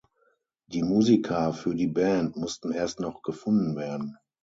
Die Musiker für die Band mussten erst noch gefunden werden.